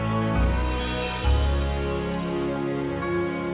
mereka mau memerkus aku